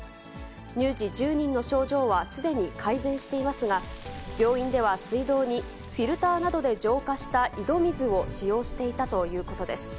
乳児１０人の症状はすでに改善していますが、病院では水道にフィルターなどで浄化した井戸水を使用していたということです。